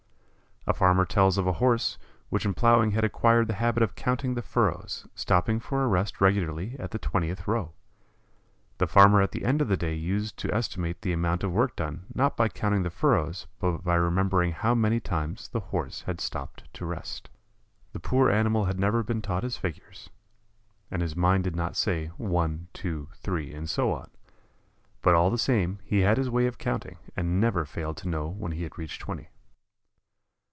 A farmer tells of a Horse which in plowing had acquired the habit of counting the furrows, stopping for a rest regularly at the twentieth row. The farmer at the end of the day used to estimate the amount of work done, not by counting the furrows but by remembering how many times the Horse had stopped to rest. The poor animal had never been taught his figures, and his mind did not say "one, two, three," and so on, but all the same he had his way of counting, and never failed to know when he had reached twenty.